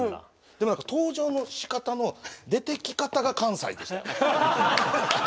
でも何か登場のしかたの出てき方が関西でしたよ。